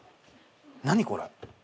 何これ。